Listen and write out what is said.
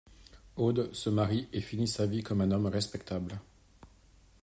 Odd se marie et finit sa vie comme un homme respectable.